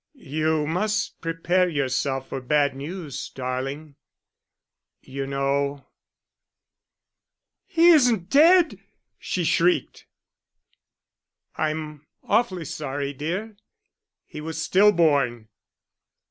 "You must prepare yourself for bad news, darling. You know " "He isn't dead?" she shrieked. "I'm awfully sorry, dear.... He was still born."